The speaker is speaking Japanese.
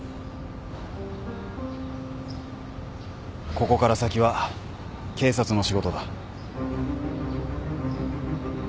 ここから先は警察の仕事だ。